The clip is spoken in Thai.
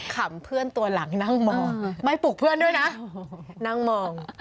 ขำเพื่อนตัวหลังนั่งมอง